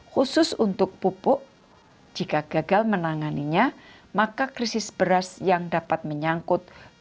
khusus untuk pupuk jika gagal menanganinya maka krisis beras yang dapat menyangkut